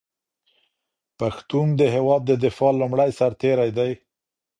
پښتون د هېواد د دفاع لومړی سرتېری دی.